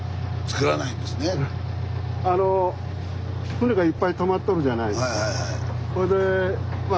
船がいっぱいとまっとるじゃないですか。